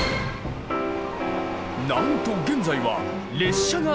なんと現在は列車が通過。